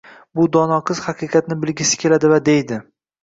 Bu dono qiz haqiqatni bilgisi keladi va deydi: